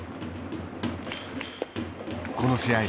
この試合